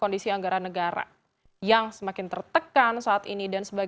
kondisi anggaran negara yang semakin tertekan saat ini